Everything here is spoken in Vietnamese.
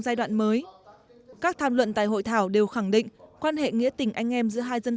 giai đoạn mới các tham luận tại hội thảo đều khẳng định quan hệ nghĩa tình anh em giữa hai dân